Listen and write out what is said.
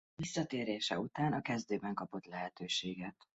Visszatérése után a kezdőben kapott lehetőséget.